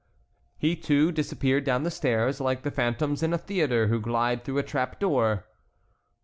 He, too, disappeared down the stairs, like the phantoms in a theatre who glide through a trap door.